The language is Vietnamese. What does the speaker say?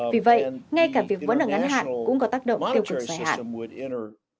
vì vậy ngay cả việc vỡ nợ ngắn hạn cũng có tác động tiêu cực dài hạn